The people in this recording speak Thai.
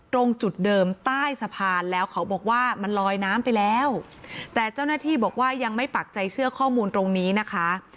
ตรงจุดเดิมใต้สะพานแล้วเขาบอกว่ามันลอยน้ำไปแล้วแต่เจ้าหน้าที่บอกว่ายังไม่ปักใจเชื่อข้อมูลตรงนี้นะคะ